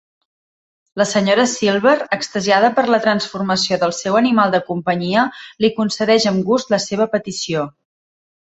La Sra Silver, extasiada per la transformació del seu animal de companyia, li concedeix amb gust la seva petició.